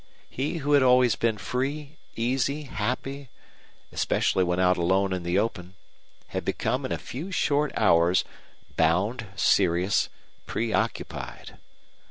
He who had always been free, easy, happy, especially when out alone in the open, had become in a few short hours bound, serious, preoccupied.